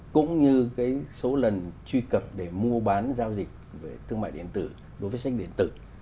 cũng như cái số lần truy cập để mua bán giao dịch về thương mại điện tử đối với sách điện tử